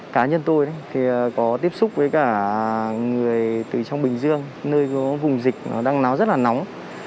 cá nhân tôi thì có tiếp xúc với cả người từ trong bình dương nơi có vùng dịch nó đang láo rất là nóng